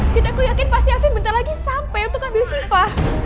tidak keyakin pasti afin bentar lagi sampai untuk ambil syifa